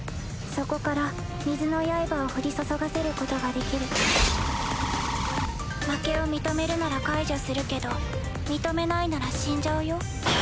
・そこから水の刃を降り注がせることができる・負けを認めるなら解除するけど認めないなら死んじゃうよ？